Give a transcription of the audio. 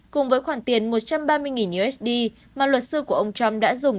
cùng với khoản tiền một trăm ba mươi usd mà luật sư của ông trump đã dùng